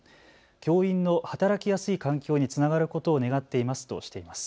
教員の働きやすい環境につながることを願っていますとしています。